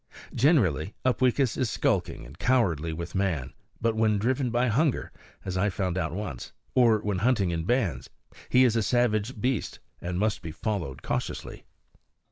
Generally Upweekis is skulking and cowardly with man; but when driven by hunger (as I found out once) or when hunting in bands, he is a savage beast and must be followed cautiously.